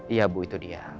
iya bu itu dia